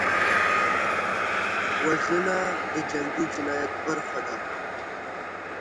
وژنه د جنګي جنایت برخه ده